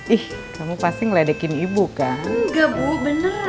ih kamu pasti ngeledekin ibu kan